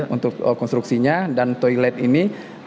untuk konstruksinya dan toilet ini